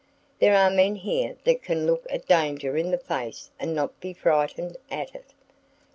There are men here that can look at danger in the face and not be frightened at it.